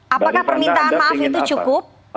apakah permintaan maaf itu cukup